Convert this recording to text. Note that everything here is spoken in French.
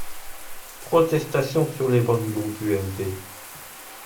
Protestations sur les bancs du groupe UMP.